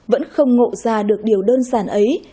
vẫn không ngộ ra được điều đơn giản ấy